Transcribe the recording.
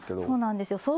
そうなんですよ。